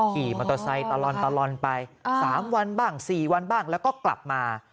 ขี่มอเตอร์ไซค์ตลอดไป๓วันบ้าง๔วันบ้างแล้วก็กลับมา